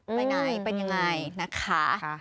ไปไหนเป็นยังไงนะคะ